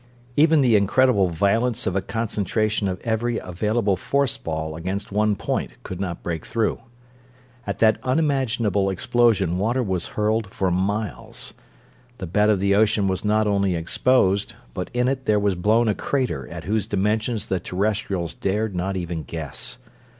Even the incredible violence of a concentration of every available force ball against one point could not break through. At that unimaginable explosion water was hurled for miles. The bed of the ocean was not only exposed, but in it there was blown a crater at whose dimensions the Terrestrials dared not even guess.